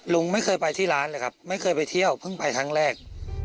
ลุงไม่เคยไปที่ร้านเลยครับไม่เคยไปเที่ยวเพิ่งไปครั้งแรก